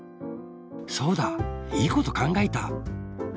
そうだいいことかんがえた！